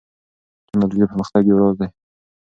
ټیکنالوژي د پرمختګ یو راز دی.